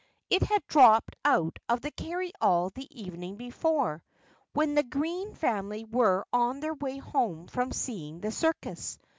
It had dropped out of the carryall the evening before, when the Green family were on their way home from seeing the circus.